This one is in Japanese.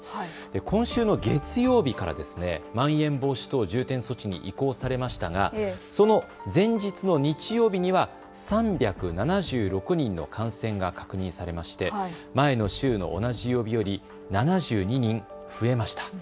今週の月曜日からまん延防止等重点措置に移行されましたがその前日の日曜日には３７６人の感染が確認されまして前の週の同じ曜日より７２人増えました。